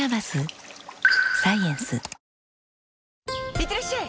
いってらっしゃい！